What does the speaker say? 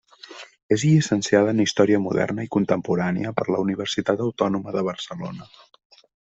És llicenciada en Història Moderna i Contemporània per la Universitat Autònoma de Barcelona.